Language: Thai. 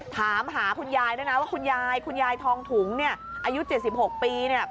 ถามหาคุณยายด้วยนะว่าคุณยายคุณยายทองถุงเนี่ยอายุ๗๖ปีเนี่ย